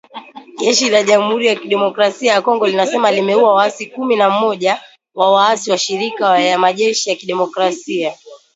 Jeshi la Jamuhuri ya kidemokrasia ya Kongo linasema limeua waasi kumi na moja wa Waasi washirika ya majeshi ya kidemokrasia